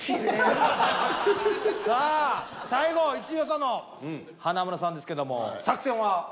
最後１位予想の華丸さんですけども作戦は？